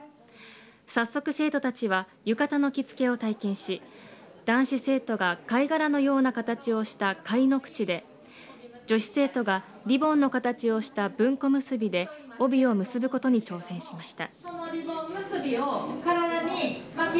早速、生徒たちは浴衣の着付けを体験し男子生徒が貝殻のような形をした貝の口で女子生徒がリボンの形をした文庫結びで帯を結ぶことに挑戦しました。